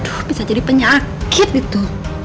oh bisa jadi penyakit gitu